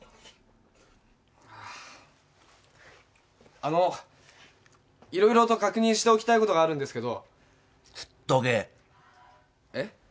あのいろいろと確認しておきたいことがあるんですけど食っとけえッ？